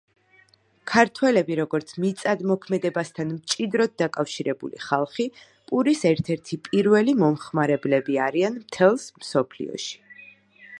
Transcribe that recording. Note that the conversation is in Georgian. ქართველები როგორც მიწათმოქმედებასთან მჭიდროდ დაკავშირებული ხალხი, პურის ერთ-ერთი პირველი მომხმარებლები არიან მთელს მსოფლიოში.